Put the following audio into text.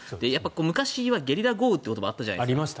昔はゲリラ豪雨というのもあったじゃないですか。